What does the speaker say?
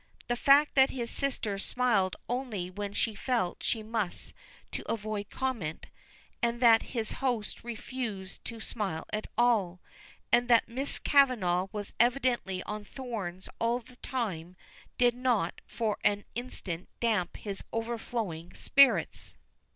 The fact that his sister smiled only when she felt she must to avoid comment, and that his host refused to smile at all, and that Miss Kavanagh was evidently on thorns all the time did not for an instant damp his overflowing spirits.